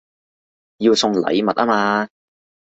要送禮物吖嘛